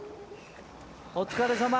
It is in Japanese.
お疲れさま。